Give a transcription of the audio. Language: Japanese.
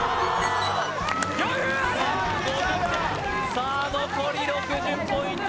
さあ残り６０ポイント